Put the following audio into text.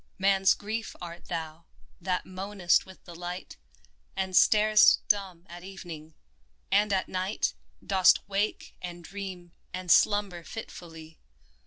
Man's Grief art thou, that moanest with the light, And starest dumb at evening — and at night Dost wake and dream and slumber fitfully